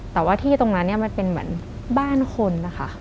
แต่ว่าที่ตรงนั้นมันเป็นบ้านคน